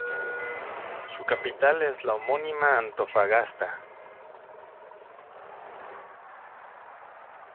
Su capital es la homónima Antofagasta.